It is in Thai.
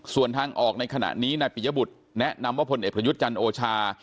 ส่วนทางออกในขณะนี้นายปิยบุตรแนะนำว่าผลเอกประยุทธ์จันทร์โอชา